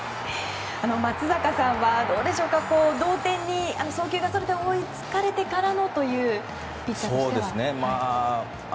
松坂さんはどうでしょうか送球がそれて、同点に追いつかれてからのというピッチャーとしては。